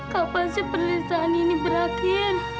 kapan perlisahan ini berakhir